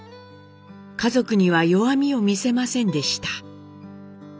家族には弱みを見せませんでした。